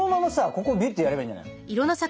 ここびゅってやればいいんじゃないの？